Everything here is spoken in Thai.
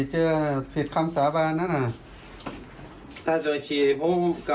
เกลียดกระดิ่งอยู่ค่ะ